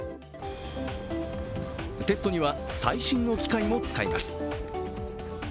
テストには最新の機械も使います。